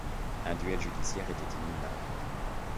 Un duel judiciaire était imminent.